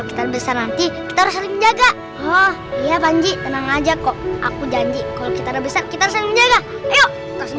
iya panji tenang aja kok aku janji kalau kita ada besar kita selalu menjaga yuk